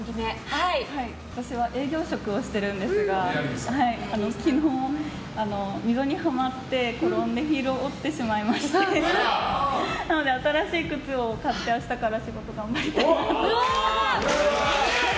私は営業職をしているんですが昨日、溝にはまってヒールを折ってしまいましてなので新しい靴を買って明日から仕事頑張りたいなと。